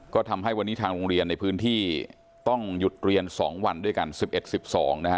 ก็ทำให้วันนี้ทางโรงเรียนในพื้นที่ต้องหยุดเรียน๒วันด้วยกัน๑๑๑๒นะฮะ